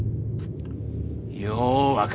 よう分かった。